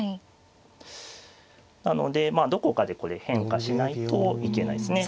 なのでまあどこかでこれ変化しないといけないですね